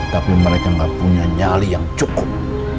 tapi mereka nggak punya nyali yang cukup